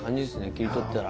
切り取ったら。